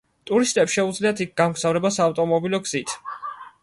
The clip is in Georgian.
ტურისტებს შეუძლიათ იქ გამგზავრება საავტომობილო გზით.